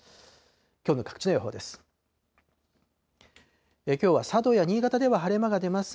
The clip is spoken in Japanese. きょうの各地の予報です。